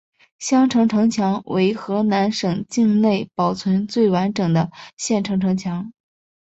襄城城墙为河南省境内保存最完整的县城城墙。